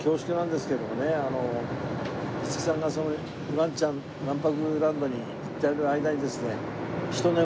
五木さんがそのワンちゃんわん泊ランドに行ってる間にですね。